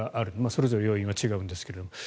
それぞれ要因は違うんですが。